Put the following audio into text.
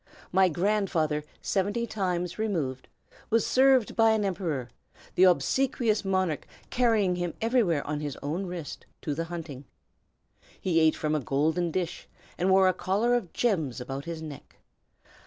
My grandfather seventy times removed was served by an emperor, the obsequious monarch carrying him every day on his own wrist to the hunting. He ate from a golden dish, and wore a collar of gems about his neck.